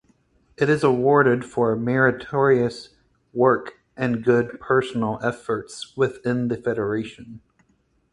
Its awarded for meritorious work and good personal efforts within the federation.